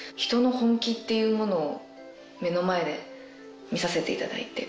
っていうものを目の前で見させていただいて。